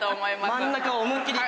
真ん中を思い切り行く。